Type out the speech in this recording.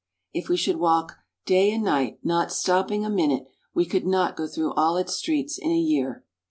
If we should walk day and night, not stopping a minute, we could not go through all its streets in a year.